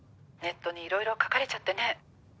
「ネットにいろいろ書かれちゃってね」